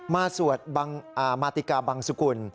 สวดมาติกาบังสุกุล